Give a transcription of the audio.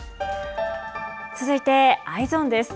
続いてＥｙｅｓｏｎです。